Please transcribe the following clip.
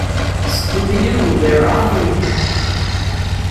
Scooby-Doo, Where Are You!